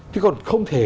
chứ còn không thể